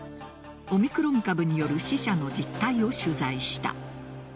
オミクロン株による死者の実態を取材した。